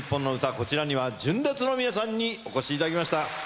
こちらには純烈の皆さんにお越しいただきました。